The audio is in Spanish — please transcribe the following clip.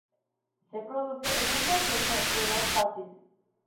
Se produce en un proceso de dos fases.